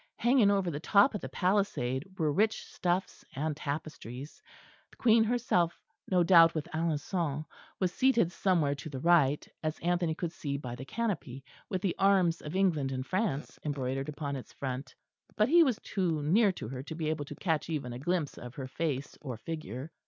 Hanging over the top of the palisade were rich stuffs and tapestries. The Queen herself no doubt with Alençon was seated somewhere to the right, as Anthony could see by the canopy, with the arms of England and France embroidered upon its front; but he was too near to her to be able to catch even a glimpse of her face or figure.